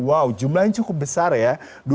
wow jumlahnya cukup besar ya